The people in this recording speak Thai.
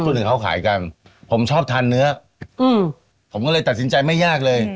หนึ่งเขาขายกันผมชอบทานเนื้อผมก็เลยตัดสินใจไม่ยากเลย